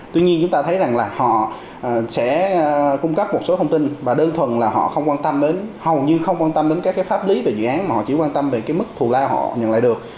tuy nhiên chúng ta thấy rằng là họ sẽ cung cấp một số thông tin và đơn thuần là họ không quan tâm đến hầu như không quan tâm đến các cái pháp lý về dự án mà họ chỉ quan tâm về cái mức thù lao họ nhận lại được